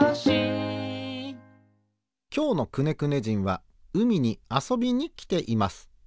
きょうのくねくね人はうみにあそびにきています。